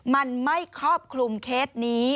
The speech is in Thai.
มันไม่ครอบคลุมเคสนี้